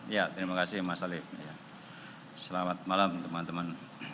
ya terima kasih mas alib selamat malam teman teman